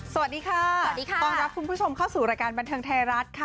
สวัสดีค่ะสวัสดีค่ะต้อนรับคุณผู้ชมเข้าสู่รายการบันเทิงไทยรัฐค่ะ